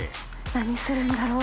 何するんだろう？